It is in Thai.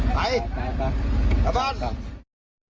โอ้โหเขาเต็มเลย